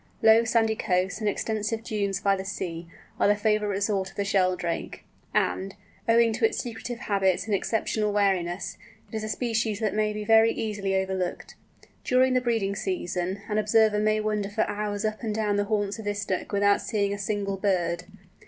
Low sandy coasts, and extensive dunes by the sea, are the favourite resort of the Sheldrake; and, owing to its secretive habits and exceptional wariness, it is a species that may be very easily overlooked. During the breeding season, an observer may wander for hours up and down the haunts of this Duck without seeing a single bird.